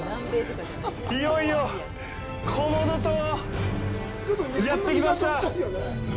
いよいよ、コモド島、やってきました！